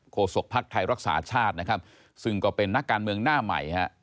ศกภักดิ์ไทยรักษาชาตินะครับซึ่งก็เป็นนักการเมืองหน้าใหม่ฮะ